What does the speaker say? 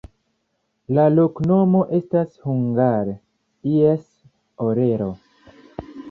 La loknomo estas hungare: ies orelo.